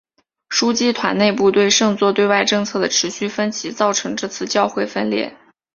枢机团内部对圣座对外政策的持续分歧造成这次教会分裂。